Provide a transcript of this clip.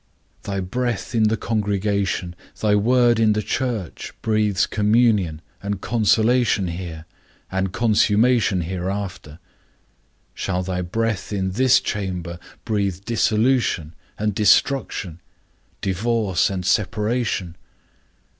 Thy breath in the congregation, thy word in the church, breathes communion and consolation here, and consummation hereafter; shall thy breath in this chamber breathe dissolution and destruction, divorce and separation?